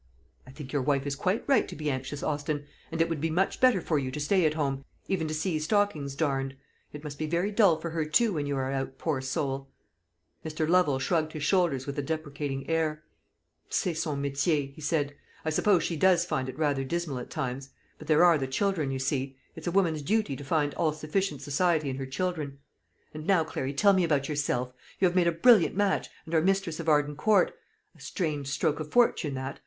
"I think your wife is quite right to be anxious, Austin; and it would be much better for you to stay at home, even to see stockings darned. It must be very dull for her too when you are out, poor soul." Mr. Lovel shrugged his shoulders with a deprecating air. "C'est son métier," he said. "I suppose she does find it rather dismal at times; but there are the children, you see it is a woman's duty to find all sufficient society in her children. And now, Clary, tell me about yourself. You have made a brilliant match, and are mistress of Arden Court. A strange stroke of fortune that.